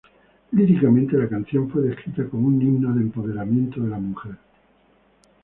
Líricamente, la canción fue descrita como un himno de empoderamiento de la mujer.